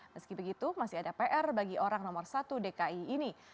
meski begitu masih ada pr bagi orang nomor satu dki ini